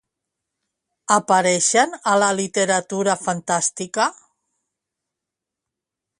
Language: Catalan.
Apareixen a la literatura fantàstica?